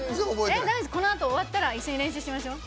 このあと終わったら一緒に練習しましょう。